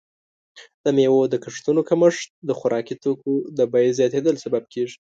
د میوو د کښتونو کمښت د خوراکي توکو د بیې زیاتیدل سبب کیږي.